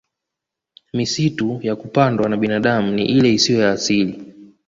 Misitu ya kupandwa na binadami ni ile isiyo ya asili